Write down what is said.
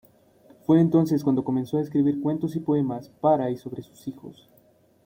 Fue entonces cuando comenzó a escribir cuentos y poemas para y sobre sus hijos.